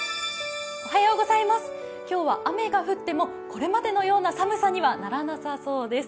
今日は雨が降っても、これまでのような寒さにはならなさそうです。